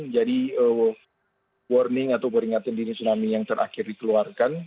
menjadi warning atau peringatan dini tsunami yang terakhir dikeluarkan